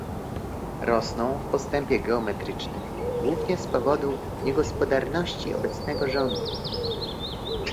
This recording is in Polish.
Rosną w postępie geometrycznym, głównie z powodu niegospodarności obecnego rządu